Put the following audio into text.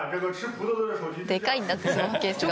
でかいんだってスマホケースが。